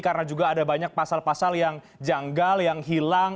karena juga ada banyak pasal pasal yang janggal yang hilang